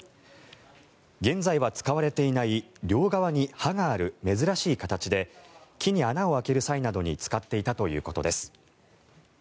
現在は使われていない両側に刃がある珍しい形で木に穴を開ける際などに使っていたということです。